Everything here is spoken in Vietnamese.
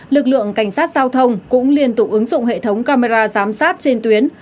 lực lượng cảnh sát giao thông cũng liên tục ứng dụng hệ thống camera giám sát trên tuyến